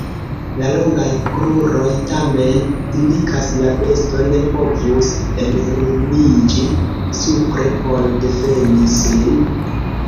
La longaj kruroj, tamen, indikas la besto ne povus enruliĝi supre por defendi sin.